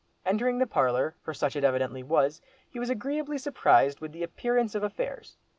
Entering the parlour, for such it evidently was, he was agreeably surprised with the appearance of affairs.